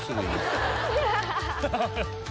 ハハハ！